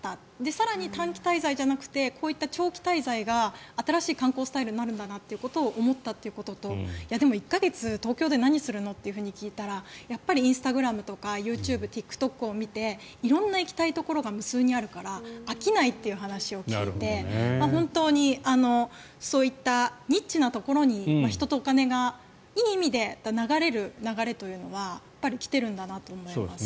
更に、短期滞在じゃなくてこういった長期滞在が新しい観光スタイルになるんだなということを思ったということとでも、１か月東京で何するの？って聞いたらやっぱり、インスタグラムとかＹｏｕＴｕｂｅＴｉｋＴｏｋを見て色んな行きたいところが無数にあるから飽きないっていう話を聞いて本当にそういったニッチなところに人とお金がいい意味で流れる流れというのは来ているんだなと思いますね。